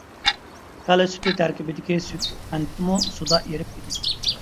كالا سۈتى تەركىبىدىكى سۈت قەنتىمۇ سۇدا ئېرىپ كېتىدۇ.